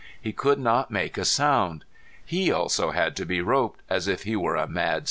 He could not make a sound. He also had to be roped, as if he were a mad steer.